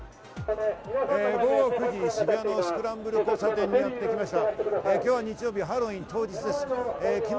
午後９時、渋谷のスクランブル交差点にやってきました。